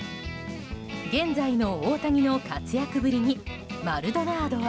現在の大谷の活躍ぶりにマルドナードは。